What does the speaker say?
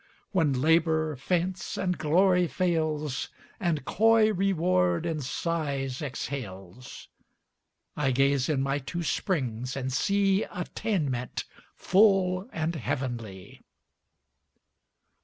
When Labor faints, and Glory fails, And coy Reward in sighs exhales, I gaze in my two springs and see Attainment full and heavenly.